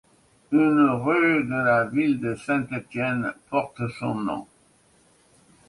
Une rue de la ville de Saint-Étienne porte son nom.